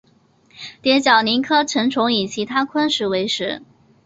蝶角蛉科成虫以其他昆虫为食。